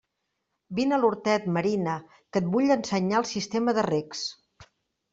Vine a l'hortet, Marina, que et vull ensenyar el sistema de recs.